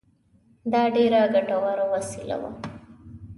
دا ډېره ګټوره وسیله وه.